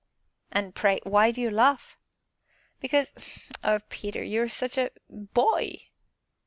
"And pray, why do you laugh?" "Because oh, Peter, you are such a boy!"